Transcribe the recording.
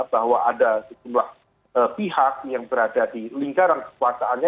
bahwa ada sejumlah pihak yang berada di lingkaran kekuasaannya